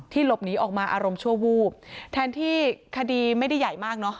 หลบหนีออกมาอารมณ์ชั่ววูบแทนที่คดีไม่ได้ใหญ่มากเนอะ